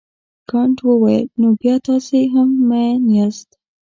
کانت وویل نو بیا تاسي هم مین یاست.